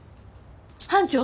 班長！